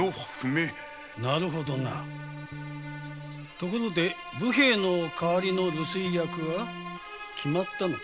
なるほどなところで武兵衛の代わりの留守居役は決まったか？